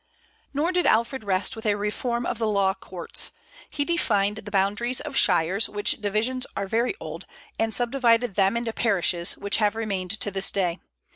Nor did Alfred rest with a reform of the law courts. He defined the boundaries of shires, which divisions are very old, and subdivided them into parishes, which have remained to this day.